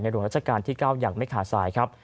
หลวงราชการที่๙อย่างไม่ขาดสายครับ